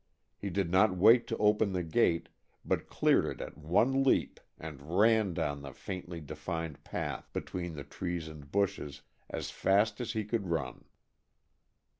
He did not wait to open the gate, but cleared it at one leap and ran down the faintly defined path, between the trees and bushes, as fast as he could rim.